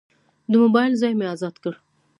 د موبایل ځای مې ازاد کړ.